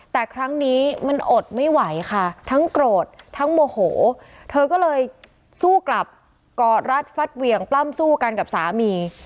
แต่ครั้งนี้มันอดไม่ไหวค่ะทั้งโกรธทั้งโมโหเธอก็เลยสู้กลับกอดรัดฟัดเหวี่ยงปล้ำสู้กันกับสามี